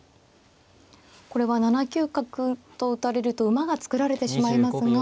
これは７九角と打たれると馬が作られてしまいますが。